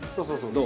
どう？